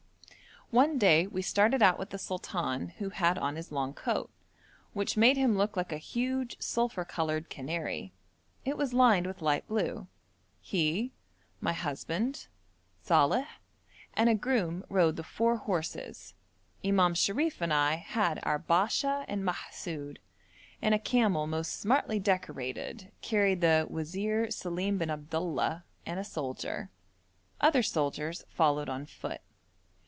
One day we started out with the sultan, who had on his long coat, which made him look like a huge, sulphur coloured canary. It was lined with light blue. He, my husband, Saleh, and a groom rode the four horses; Imam Sharif and I had our Basha and Mahsoud, and a camel most smartly decorated carried the Wazir Salim bin Abdullah and a soldier; other soldiers followed on foot.